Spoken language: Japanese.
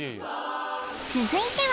続いては